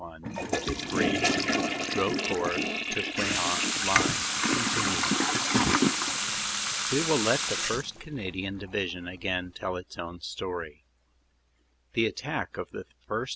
1 3; DROCOURT QUEANT LINE CONTINUED WE will let the 1st. Canadian Division again tell its own story: "The attack of the 1st.